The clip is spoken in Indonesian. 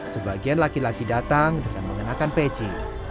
sebagian laki laki datang dengan mengenakan peci